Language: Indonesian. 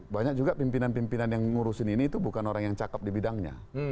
banyak juga pimpinan pimpinan yang ngurusin ini itu bukan orang yang cakep di bidangnya